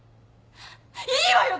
いいわよ！